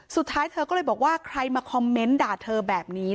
เธอก็เลยบอกว่าใครมาคอมเมนต์ด่าเธอแบบนี้